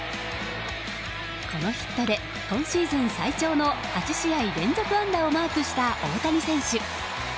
このヒットで、今シーズン最長の８試合連続安打をマークした大谷選手。